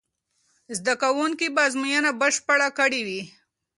زده کوونکي به ازموینه بشپړه کړې وي.